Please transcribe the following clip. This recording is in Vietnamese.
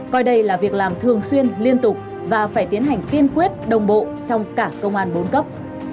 coi đây là việc làm thường xuyên liên tục và phải tiến hành kiên quyết đồng bộ trong cả công an bốn cấp